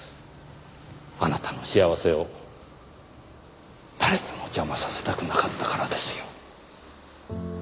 あなたの幸せを誰にも邪魔させたくなかったからですよ。